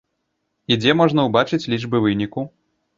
І дзе можна ўбачыць лічбы выніку?